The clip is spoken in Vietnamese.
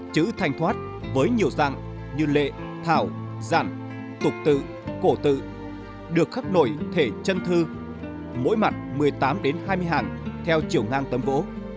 chữ thành thoát với nhiều dạng như lệ thảo giản tục tự cổ tự được khắc nổi thể chân thư mỗi mặt một mươi tám hai mươi hàng theo chiều ngang tấm vỗ